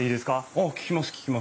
ああ聞きます聞きます。